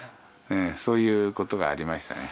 そういうことがありましたね。